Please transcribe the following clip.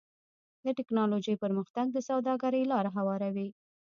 د ټکنالوجۍ پرمختګ د سوداګرۍ لاره هواروي.